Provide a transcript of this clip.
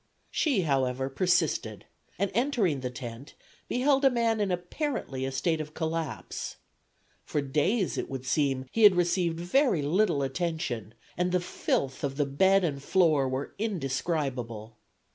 She, however, persisted, and entering the tent, beheld a man in apparently a state of collapse. For days, it would seem, he had received very little attention, and the filth of the bed and floor was indescribable.